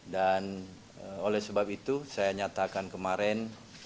dan oleh sebab itu saya nyatakan kemarin